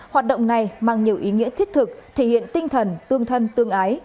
hoạt động này mang nhiều ý nghĩa thiết thực thể hiện tinh thần tương thân tương ái